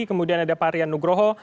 kemudian ada pak rian nugroho